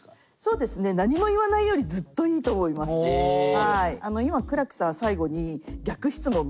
はい。